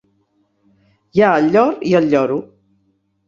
Hi ha el llor i el lloro.